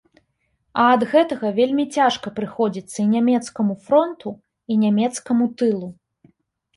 А ад гэтага вельмі цяжка прыходзіцца і нямецкаму фронту і нямецкаму тылу.